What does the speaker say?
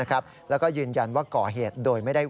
ภัยสมบัตินะมาทำแผนด้วยความเต็มใจนะเต็มใจ